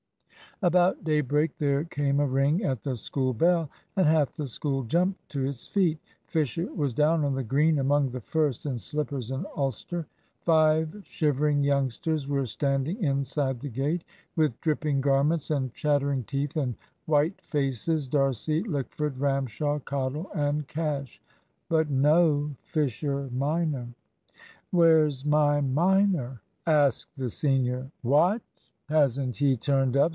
About daybreak there came a ring at the school bell, and half the school jumped to its feet. Fisher was down on the Green among the first, in slippers and ulster. Five shivering youngsters were standing inside the gate, with dripping garments and chattering teeth and white faces D'Arcy, Lickford, Ramshaw, Cottle, and Cash but no Fisher minor. "Where's my minor?" asked the senior. "What! hasn't he turned up?"